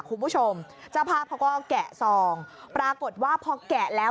คุณผู้ชมเจ้าภาพเขาก็แกะซองปรากฏว่าพอแกะแล้ว